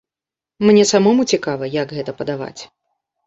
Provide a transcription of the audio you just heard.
Мне самому цікава, як гэта падаваць.